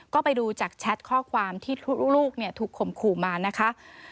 ก็ไปดูจากแชทข้อความที่ลูกถูกข่มขู่มานะคะ